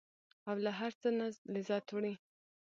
او له هر څه نه لذت وړي.